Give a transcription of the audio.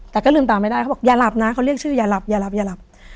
แต่ก็ลืมตาไม่ได้เขาบอกอย่าหลับนะเขาเรียกชื่ออย่าหลับอย่าหลับอย่าหลับ